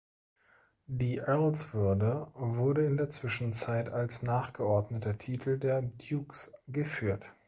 Die Earlswürde wurde in der Zwischenzeit als nachgeordneter Titel der Dukes geführt.